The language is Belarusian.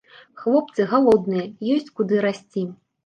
Хлопцы галодныя, ёсць куды расці.